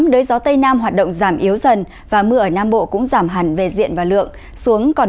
một mươi tám đới gió tây nam hoạt động giảm yếu dần và mưa ở nam bộ cũng giảm hẳn về diện và lượng xuống còn